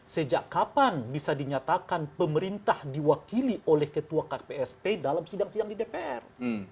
sejak kapan bisa dinyatakan pemerintah diwakili oleh ketua kpst dalam sidang sidang di dpr